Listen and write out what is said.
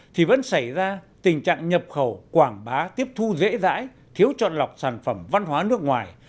thì vẫn xảy ra tình trạng nhập khẩu quảng bá tiếp thu dễ dãi thiếu chọn lọc sản phẩm văn hóa nước ngoài